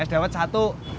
es dawat satu